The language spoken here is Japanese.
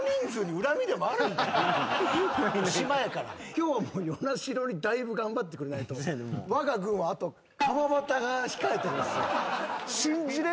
今日は與那城だいぶ頑張ってくれないとわが軍はあと川畑が控えてるんすよ。